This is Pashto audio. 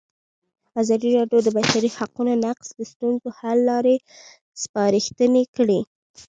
ازادي راډیو د د بشري حقونو نقض د ستونزو حل لارې سپارښتنې کړي.